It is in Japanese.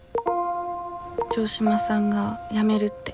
城島さんが辞めるって。